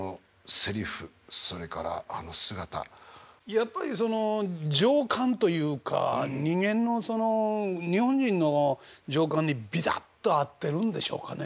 やっぱりその情感というか人間のその日本人の情感にビタッと合ってるんでしょうかね。